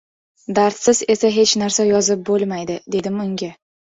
Dardsiz esa hech narsa yozib bo‘lmaydi”, dedim unga.